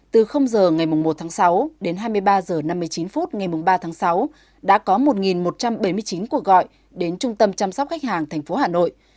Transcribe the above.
từ h ngày một tháng sáu đến hai mươi ba h năm mươi chín phút ngày ba tháng sáu đã có một một trăm bảy mươi chín cuộc gọi đến trung tâm chăm sóc khách hàng thành phố hà nội